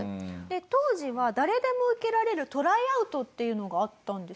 当時は誰でも受けられるトライアウトっていうのがあったんですよね？